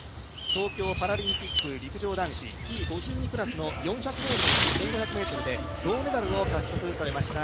東京パラリンピック陸上男子Ｔ５２クラスの４００ｍと１５００ｍで銅メダルを獲得されました。